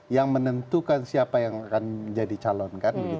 yang menentukan siapa yang akan menjadi calon kan